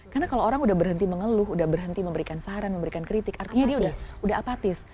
karena kalau orang sudah berhenti mengeluh sudah berhenti memberikan saran memberikan kritik artinya dia sudah apatis